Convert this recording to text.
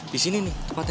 disini nih tepatnya